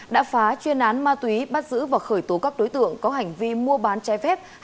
đã phá chuyên án ma túy bắt giữ và khởi tố các đối tượng có hành vi mua bán trái phép